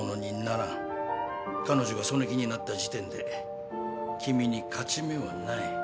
彼女がその気になった時点で君に勝ち目はない。